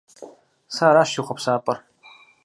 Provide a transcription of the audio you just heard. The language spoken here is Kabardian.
Сэ аращ си хъуапсапӀэр!